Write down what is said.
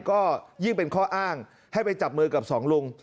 ก็ยิ่งเป็นข้ออ้างให้ไปจับมือกับสองลุง